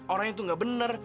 orangnya tuh nggak bener